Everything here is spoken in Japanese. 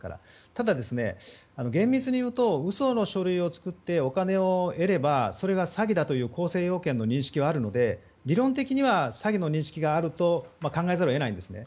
ただ、厳密に言うと嘘の書類を作ってお金を得ればそれが詐欺だという認識はあるので理論的には詐欺の認識があると考えざるを得ないんですね。